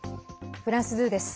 フランス２です。